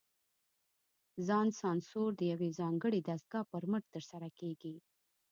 ځان سانسور د یوې ځانګړې دستګاه پر مټ ترسره کېږي.